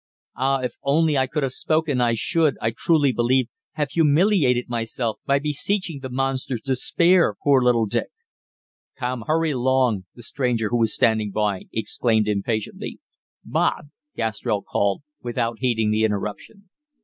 Ah, if only I could have spoken I should, I truly believe, have humiliated myself by beseeching the monsters to spare poor little Dick. "Come, hurry along," the stranger, who was standing by, exclaimed impatiently. "Bob," Gastrell called, without heeding the interruption.